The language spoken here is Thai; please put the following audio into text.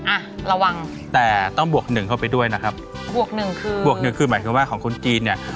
อ่ะระวังแต่ต้องบวกหนึ่งเข้าไปด้วยนะครับบวกหนึ่งคือบวกหนึ่งคือหมายความว่าของคนจีนเนี่ย